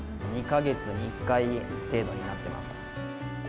２か月に１回程度になってます。